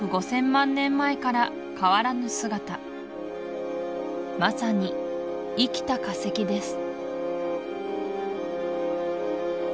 ３億５０００万年前から変わらぬ姿まさに生きた化石です